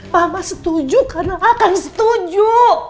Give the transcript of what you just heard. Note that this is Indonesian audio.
mama setuju karena akan setuju